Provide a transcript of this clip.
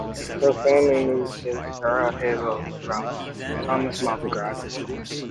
Her family moved to Sarajevo from Tomislavgrad.